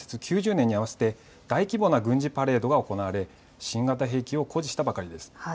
９０年に合わせて大規模な軍事パレードが行われ新型兵器を誇示したばかりです。